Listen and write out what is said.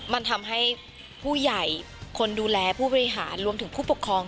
มันทำให้ผู้ใหญ่คนดูแลผู้บริหารรวมถึงผู้ปกครอง